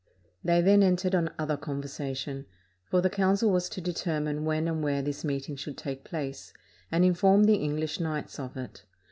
They then entered on other conversation; for the council was to determine when and where this meeting should take place, and inform the English knights of it.